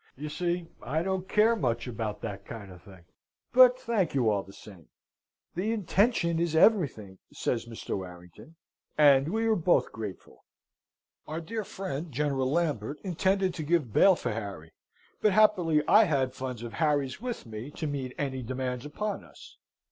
You see I don't care much about that kind of thing but thank you all the same." "The intention is everything," says Mr. Warrington, "and we are both grateful. Our dear friend, General Lambert, intended to give bail for Harry; but, happily, I had funds of Harry's with me to meet any demands upon us.